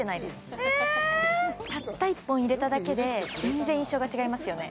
ええったった１本入れただけで全然印象が違いますよね